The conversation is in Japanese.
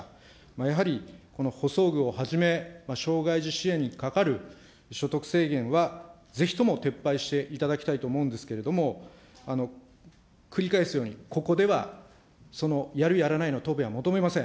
やはりこの補装具をはじめ、障害児支援にかかる所得制限は、ぜひとも撤廃していただきたいと思うんですけれども、繰り返すように、ここではそのやる、やらないの答弁は求めません。